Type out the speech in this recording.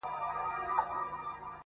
ور په یاد یې د دوږخ کړل عذابونه؛